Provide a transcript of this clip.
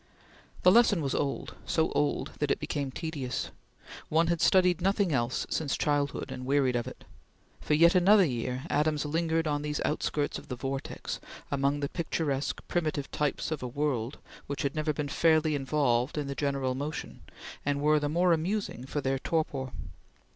The lesson was old so old that it became tedious. One had studied nothing else since childhood, and wearied of it. For yet another year Adams lingered on these outskirts of the vortex, among the picturesque, primitive types of a world which had never been fairly involved in the general motion, and were the more amusing for their torpor.